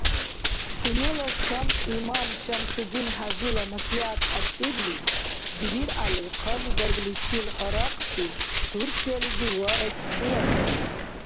Сунела шан имам ШамсудинхӀяжила маслигӀят хӀясибли, ДибиргӀяли хъалибаргличил гьарахъси Турциялизи ваэс дуравхъири.